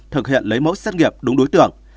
thực hiện lấy mẫu xét nghiệm đúng đối tượng